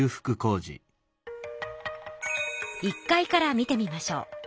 １階から見てみましょう。